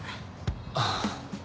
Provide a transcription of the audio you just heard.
ああ。